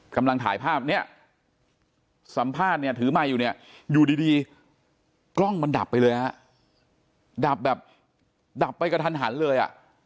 กำลังถ่ายภาพสัมภาษณ์ถือไม้อยู่อยู่ดีกล้องมันดับไปเลยดับแบบดับไปกระทันหันเลย